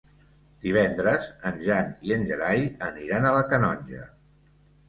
Divendres en Jan i en Gerai aniran a la Canonja.